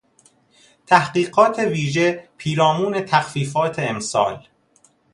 تحقیقات ویژه پیرامون تخفیفات امسال